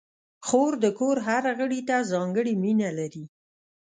خور د کور هر غړي ته ځانګړې مینه لري.